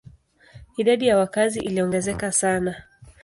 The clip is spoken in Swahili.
Idadi ya wakazi iliongezeka sana.